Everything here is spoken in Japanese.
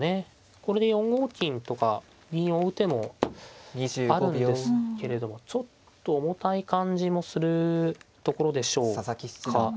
これで４五金とか銀を追う手もあるんですけれどもちょっと重たい感じもするところでしょうか。